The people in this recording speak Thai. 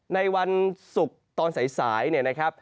ในวันศุกร์ตอนสายนะครับ